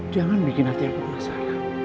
jangan bikin hati aku masalah